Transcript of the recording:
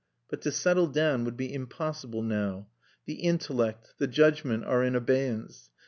But to settle down would be impossible now. The intellect, the judgment are in abeyance.